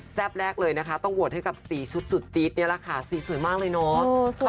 แซ่บแรกเลยต้องโหวตด้วยสีชุดสุดจี๊ดสีสวยมากเลยเนอะ